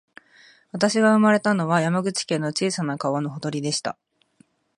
私が生まれたのは、山口県の小さな川のほとりでした